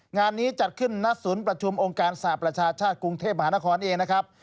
งานนี้จัดขึ้นณศูนย์ประชุมองค์การสหประชาชาติกรุงเทพมหานครเองนะครับ